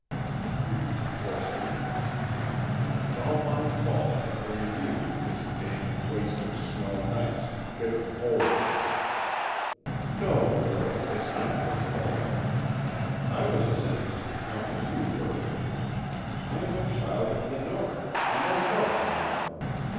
he breathed, hoarsely, "An' it's all my fault for bringin' you into this damned waste of snow an' ice, an' bitter cold!" "No, Murdo, it is not your fault. I was as anxious to come as you were. I am a child of the North, and I love the North.